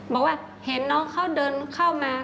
บอกว่าเห็นน้องเขาเดินเข้ามา